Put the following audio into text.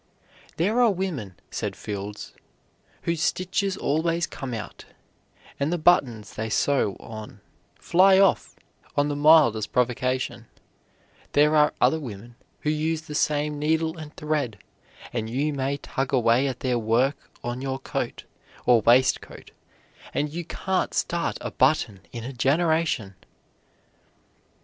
"There are women," said Fields, "whose stitches always come out, and the buttons they sew on fly off on the mildest provocation; there are other women who use the same needle and thread, and you may tug away at their work on your coat, or waistcoat, and you can't start a button in a generation."